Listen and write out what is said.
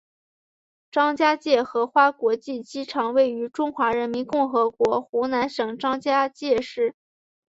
张家界荷花国际机场位于中华人民共和国湖南省张家界市。